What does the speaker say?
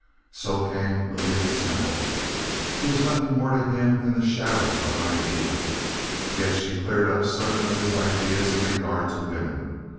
So came Lillian Semple, who was nothing more to him than the shadow of an ideal. Yet she cleared up certain of his ideas in regard to women.